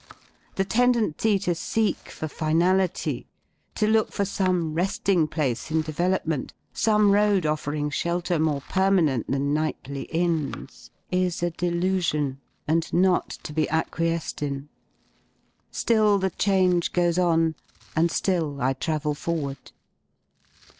The tendency to seek for finality, to look for some Ai cfi^ ^ re^ing place in development, some road offering shelter K more permanent than nightly inns is a delusion, and not to u be acquiesced in. Still the change goes on and ^ill I travel forward.